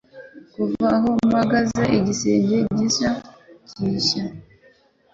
Kuva aho mpagaze, igisenge gisa nkigishya -